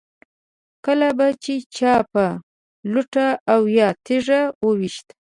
کله به چې چا په لوټه او یا تیږه و ویشت.